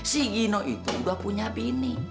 si gino itu udah punya bini